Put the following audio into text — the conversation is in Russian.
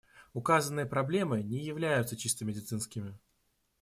Указанные проблемы не являются чисто медицинскими.